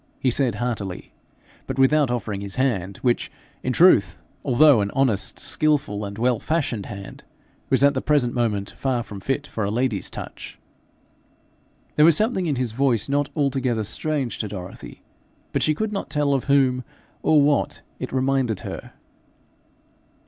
he said heartily, but without offering his hand, which in truth, although an honest, skilful, and well fashioned hand, was at the present moment far from fit for a lady's touch. There was something in his voice not altogether strange to Dorothy, but she could not tell of whom or what it reminded her.